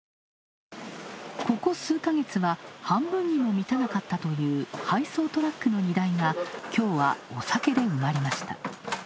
ここ数か月は半分にも満たなかったという配送トラックの荷台が、きょうはお酒で埋まりました。